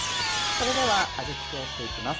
それでは、味付けをしていきます。